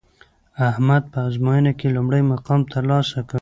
احمد په ازموینه کې لومړی مقام ترلاسه کړ